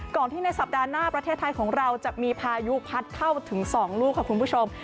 ก่อนที่ในสัปดาห์หน้าประเทศไทยของเราจะมีพายุพัดเข้าถึง๒ลูกค่ะคุณผู้ชม